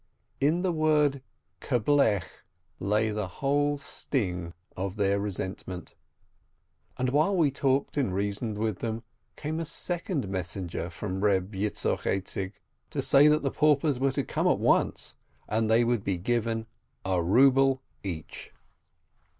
In the word kerblech lay the whole sting of their resentment. And while we talked and reasoned with them, came a second messenger from Reb Yitzchok Aizik, to say that the paupers were to come at once, and they would be given a ruble each.